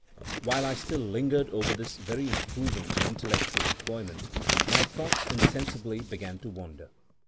While I still lingered over this very improving and intellectual employment, my thoughts insensibly began to wander.